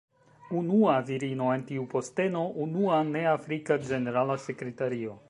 Unua virino en tiu posteno, unua ne afrika ĝenerala sekretario.